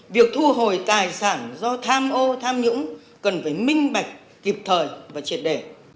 việc thu hồi tài sản do tham ô tham nhũng cần phải minh bạch kịp thời và triệt đề